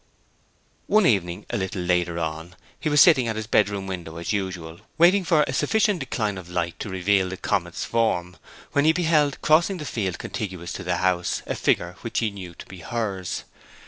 One evening a little later on he was sitting at his bedroom window as usual, waiting for a sufficient decline of light to reveal the comet's form, when he beheld, crossing the field contiguous to the house, a figure which he knew to be hers.